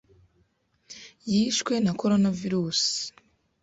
yishwe na Corona virus